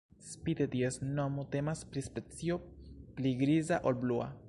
Spite ties nomo, temas pri specio pli griza ol blua.